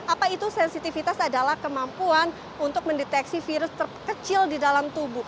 apa itu sensitivitas adalah kemampuan untuk mendeteksi virus terkecil di dalam tubuh